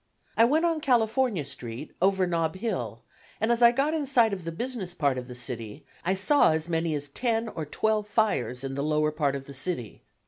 I went on California Street, over Nob Hill, and as I got in sight of the business part of the city, I saw as many as ten or twelve fires in the lower part of the city.